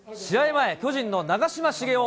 前、巨人の長嶋茂雄